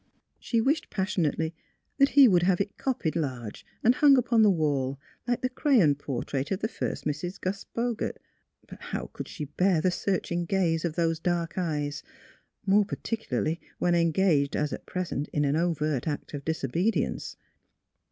She. AT THE PARSONAGE 227 wished passionately that he would have it copied large and hung upon the wall, like the crayon portrait of the first Mrs. Gus Bogert. But, how could she bear the searching gaze of those dark eyes, more particularly when engaged as at pres ent, in an overt act of disobedience.